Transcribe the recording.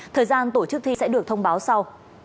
thời gian tổ chức thi sẽ được thông báo sau